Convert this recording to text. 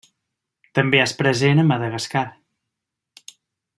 També és present a Madagascar.